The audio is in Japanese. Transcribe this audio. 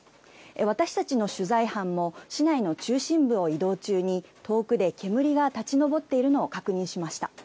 私たちの取材班も市内の中心部を移動中に、遠くで煙が立ち上っているのを確認しました。